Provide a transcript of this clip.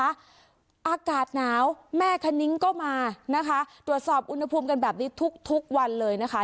อากาศหนาวแม่คณิ้งก็มานะคะตรวจสอบอุณหภูมิกันแบบนี้ทุกทุกวันเลยนะคะ